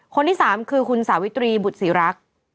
คนที่๓คือคุณสาวิตรีบุตรศรีรักษ์